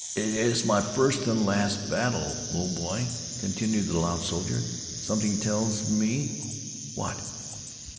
"It's my first and last battle, old boy," continued the loud soldier. "Something tells me " "What?"